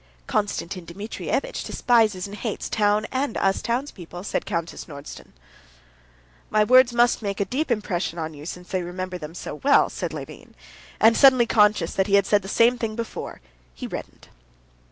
"Konstantin Dmitrievitch despises and hates town and us townspeople," said Countess Nordston. "My words must make a deep impression on you, since you remember them so well," said Levin, and, suddenly conscious that he had said just the same thing before, he reddened.